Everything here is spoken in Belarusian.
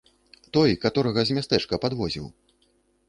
Той, каторага з мястэчка падвозіў.